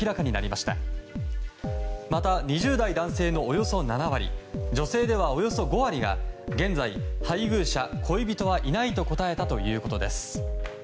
また、２０代男性のおよそ７割女性ではおよそ５割が現在、配偶者・恋人はいないと答えたということです。